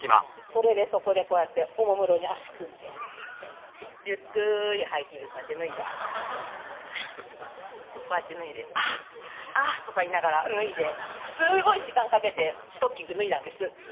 それでそこでこうやっておもむろに脚組んでゆっくりハイヒールこうやって脱いでこうやって脱いで「あっあっ」とか言いながら脱いですごい時間かけてストッキング脱いだんです